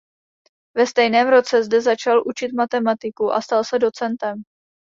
Ve stejném roce zde začal učit matematiku a stal se docentem.